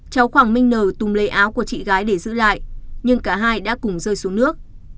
cháu khoang minh n tùm lấy áo của chị gái để giữ lại nhưng cả hai đã cùng rơi xuống nước